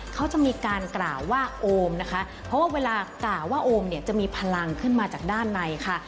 เขาจะมีการกล่าวว่าโอมนะคะเพราะว่าเวลากล่าวว่าโอมเนี่ยจะมีพลังขึ้นมาจากด้านในค่ะ